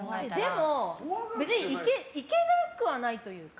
でも、別にいけなくはないというか。